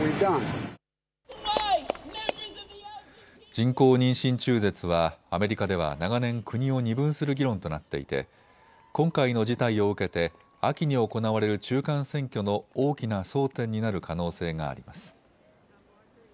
人工妊娠中絶はアメリカでは長年国を二分する議論となっていて今回の事態を受けて秋に行われる中間選挙の大きな争点になる可能性があります。